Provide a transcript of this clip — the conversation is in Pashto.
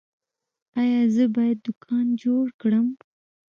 ایا زه باید دوکان جوړ کړم؟